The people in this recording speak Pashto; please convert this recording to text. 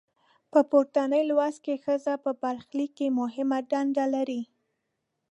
په پورتني لوست کې ښځې په برخلیک کې مهمه نډه لري.